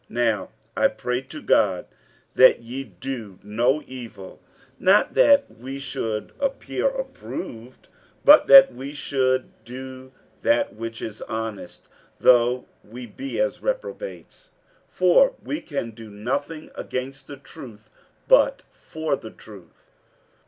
47:013:007 Now I pray to God that ye do no evil; not that we should appear approved, but that ye should do that which is honest, though we be as reprobates. 47:013:008 For we can do nothing against the truth, but for the truth.